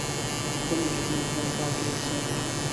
خپلې جامې تل پاکې ساتئ.